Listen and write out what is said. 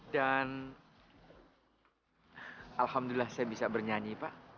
dan alhamdulillah saya bisa bernyanyi pak